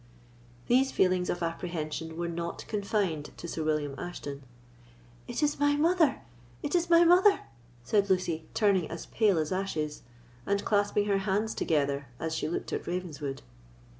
These feelings of apprehension were not confined to Sir William Ashton. "It is my mother—it is my mother!" said Lucy, turning as pale as ashes, and clasping her hands together as she looked at Ravenswood.